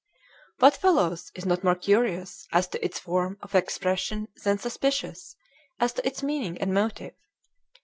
What follows is not more curious as to its form of expression than suspicious as to its meaning and motive.